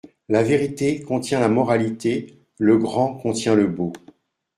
La vérité contient la moralité, le grand contient le beau.